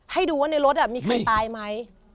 ให้ดูว่าในรถมีใครตายไหม